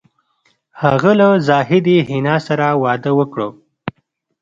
هغه له زاهدې حنا سره واده وکړ